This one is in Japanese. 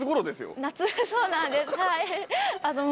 そうなんですはい。